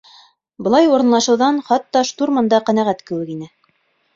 Былай урынлашыуҙан хатта штурман да ҡәнәғәт кеүек ине.